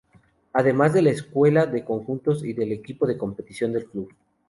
Además de la Escuela de Conjuntos y del equipo de competición del club.